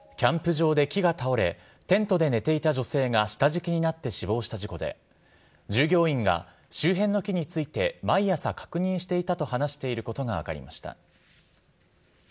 キャンプ場で木が倒れ、テントで寝ていた女性が下敷きになって死亡した事故で、従業員が周辺の木について、毎朝確認していたと話していたことが分かりました。